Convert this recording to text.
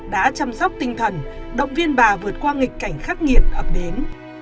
đã chăm sóc tinh thần động viên bà vượt qua nghịch cảnh khắc nghiệt ập đến